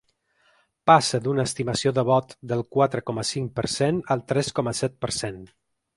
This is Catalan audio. Passa d’una estimació de vot del quatre coma cinc per cent al tres coma set per cent.